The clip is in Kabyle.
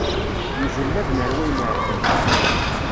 Mjellaben ar wayen iɛeddan.